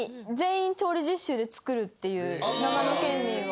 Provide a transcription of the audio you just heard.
長野県民は。